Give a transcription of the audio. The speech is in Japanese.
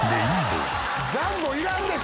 ジャンボいらんでしょ。